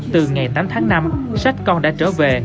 từ ngày tám tháng năm sách con đã trở về